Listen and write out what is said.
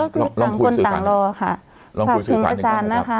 คือต่างคนต่างรอค่ะฝากถึงอาจารย์นะคะ